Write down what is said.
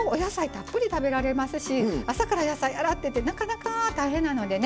たっぷり食べられますし朝から野菜洗ってってなかなか大変なのでね